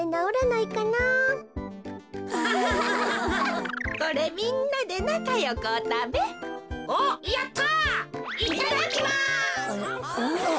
いただきます。